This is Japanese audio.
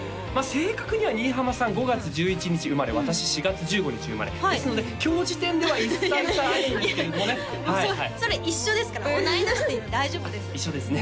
正確には新浜さん５月１１日生まれ私４月１５日生まれですので今日時点では１歳差あるんですけどもねそれ一緒ですから同い年で大丈夫です一緒ですね